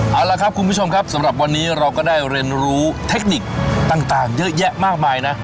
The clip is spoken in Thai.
เอาละครับคุณผู้ชมครับสำหรับวันนี้เราก็ได้เรียนรู้เทคนิคต่างเยอะแยะมากมายนะ